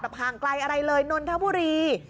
ห่างไกลอะไรเลยนนทบุรี